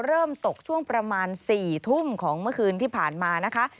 เริ่มตกช่วงประมาณ๔ทุ่มของเมื่อคืนที่ผ่านมานะคะ